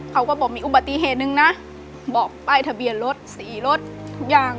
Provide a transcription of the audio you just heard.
เขาก็บอกมีอุบัติเหตุหนึ่งนะบอกป้ายทะเบียนรถสี่รถทุกอย่าง